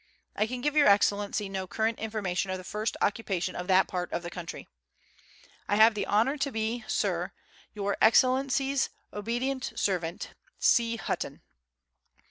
I can give Your Excellency no correct information of the first occupation of that part of the country. I have the honour to be, Sir, Your Excellency's obedient servant, C. HUTTON.